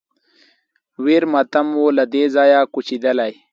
ویر ماتم و له دې ځایه کوچېدلی